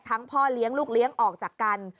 พ่อเลี้ยงลูกเลี้ยงออกจากกัน